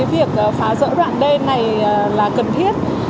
việc phá rỡ đoạn đê này là cần thiết